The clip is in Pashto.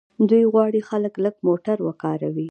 دوی غواړي خلک لږ موټر وکاروي.